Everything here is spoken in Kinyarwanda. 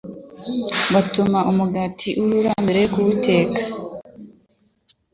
Batuma umugati urura mbere yo kuwuteka,